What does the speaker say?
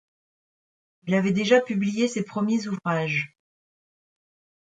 Il avait déjà publié ses premiers ouvrages.